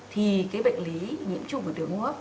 thì cái bệnh lý nhiễm trùng của đường hô hấp